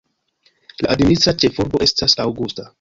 La administra ĉefurbo estas Augusta.